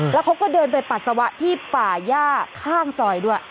แล้วเขาก็เดินไปปัสสาวะที่ป่าย่าข้างซอยด้วย